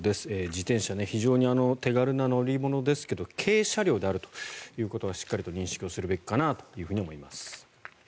自転車非常に手軽な乗り物ですが軽車両であるということはしっかり認識すべきかなと思います。